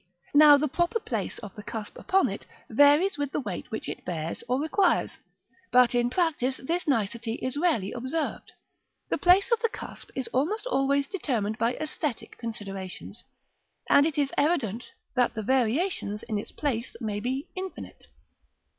Now the proper place of the cusp upon it varies with the weight which it bears or requires; but in practice this nicety is rarely observed; the place of the cusp is almost always determined by æsthetic considerations, and it is evident that the variations in its place may be infinite.